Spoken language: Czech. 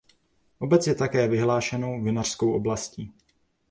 Obec je také vyhlášenou vinařskou oblastí.